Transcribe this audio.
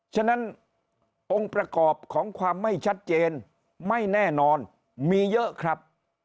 ฉะนั้นองค์ประกอบของความไม่ชัดเจนไม่แน่นอนมีเยอะครับ